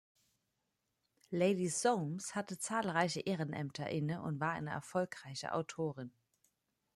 Lady Soames hatte zahlreiche Ehrenämter inne und war eine erfolgreiche Autorin.